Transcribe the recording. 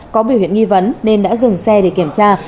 có biểu hiện nghi vấn nên đã dừng xe để kiểm tra